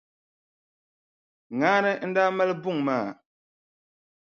Ŋaani n-daa mali buŋa maa.